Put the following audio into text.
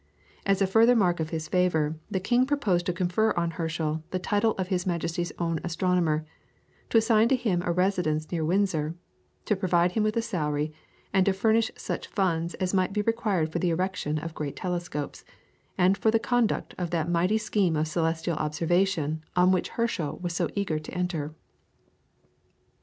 As a further mark of his favour the King proposed to confer on Herschel the title of his Majesty's own astronomer, to assign to him a residence near Windsor, to provide him with a salary, and to furnish such funds as might be required for the erection of great telescopes, and for the conduct of that mighty scheme of celestial observation on which Herschel was so eager to enter.